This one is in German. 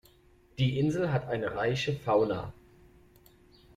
Die Insel hat eine reiche Fauna.